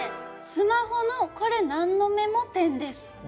「スマホの“これ何のメモ？”展」です。